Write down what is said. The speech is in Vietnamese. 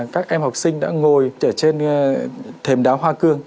các em học sinh đã ngồi ở trên thềm đá hoa cương